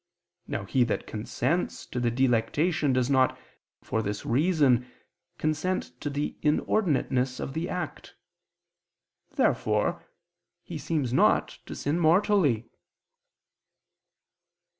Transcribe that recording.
Now he that consents to the delectation does not, for this reason, consent to the inordinateness of the act. Therefore he seems not to sin mortally.